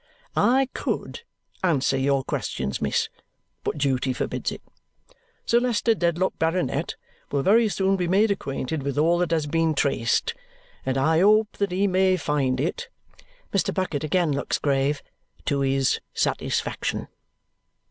I COULD answer your questions, miss, but duty forbids it. Sir Leicester Dedlock, Baronet, will very soon be made acquainted with all that has been traced. And I hope that he may find it" Mr. Bucket again looks grave "to his satisfaction."